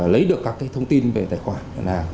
lấy được các cái thông tin về tài khoản nào